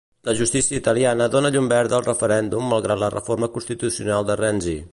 La justícia italiana dóna llum verda al referèndum malgrat la reforma constitucional de Renzi.